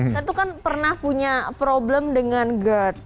saya tuh kan pernah punya problem dengan gerd